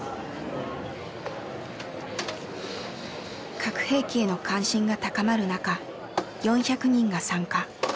核兵器への関心が高まる中４００人が参加。